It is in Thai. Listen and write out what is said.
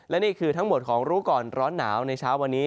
และนี่คือทั้งหมดของรู้ก่อนร้อนหนาวในเช้าวันนี้